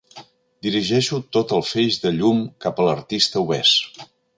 Dirigeixo tot el feix de llum cap a l'artista obès.